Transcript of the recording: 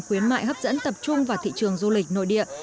khuyến mại hấp dẫn tập trung vào thị trường du lịch nội địa